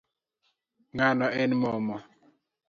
Ngani en momo